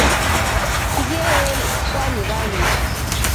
bigeenye kwaan raini